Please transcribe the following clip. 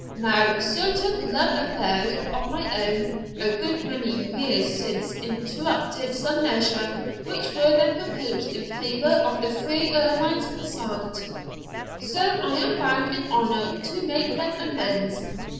Now, certain love affairs of my own a good many years since interrupted some measures which were then proposed in favour of the three ermines passant; so I am bound in honour to make them amends.